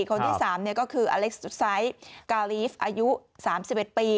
คนที่๓ก็คืออเล็กซ์ไซส์กาลีฟอายุ๓๑ปี